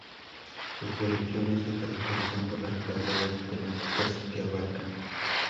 Sus producciones se caracterizan por las variadas temáticas que abarcan.